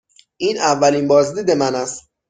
این اولین بازدید من است.